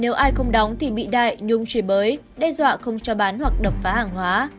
nếu ai không đóng thì bị đại nhung chìa bới đe dọa không cho bán hoặc đập phá hàng hóa